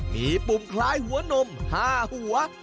มีปุ่มคล้ายหัวนม๕หัว